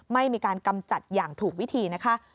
ไม่มีการกำจัดอย่างถูกวิธีนะคะ